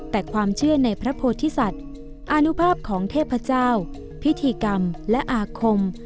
แต่ความเชื่อในพระโพธิสัตว์อานุภาพของเทพเจ้าพิธีกรรมและอาคม